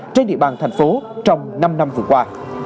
trên địa bàn thành phố trong năm năm vừa qua